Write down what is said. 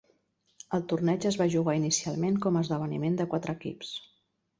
El torneig es va jugar inicialment com a esdeveniment de quatre equips.